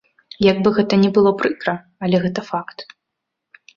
Як бы гэта ні было прыкра, але гэта факт.